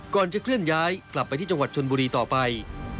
ก่อนจะเคลื่อนย้ายกลับไปที่จังหวัดชนบุรีต่อไป